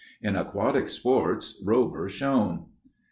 In aquatic sports, Rover shone.